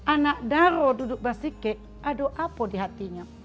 anak daro duduk bersikik ada apa di hatinya